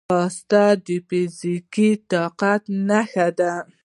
ځغاسته د فزیکي طاقت نښه ده